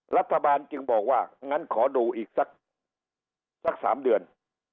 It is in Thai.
รัฐบาลจึงบอกว่างั้นขอดูอีกสัก๓เดือน